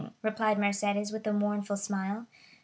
replied Mercédès with a mournful smile.